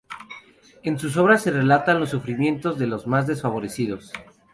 En sus obras se relatan los sufrimientos de los más desfavorecidos.